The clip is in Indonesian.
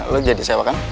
lo jadi sewa kan